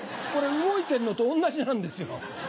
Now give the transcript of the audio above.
これ動いてるのと同じなんですよ。